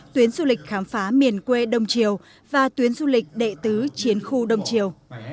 tuyến du lịch khám phá miền quê đông triều và tuyến du lịch đệ tứ chiến khu đông triều